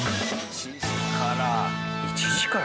１時から。